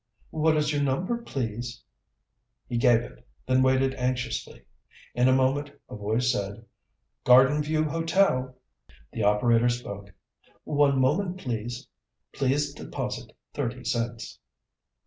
"What is your number, please?" He gave it, then waited anxiously. In a moment a voice said, "Garden View Hotel." The operator spoke. "One moment, please. Please deposit thirty cents."